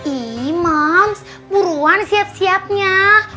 eh ma buruan siap siapnya